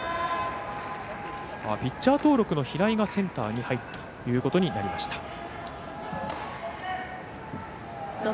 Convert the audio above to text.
ピッチャー登録の平井がセンターに入るということになりました。